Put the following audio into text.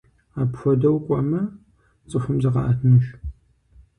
Апхуэдэу кӏуэмэ, цӏыхум зыкъаӏэтынущ.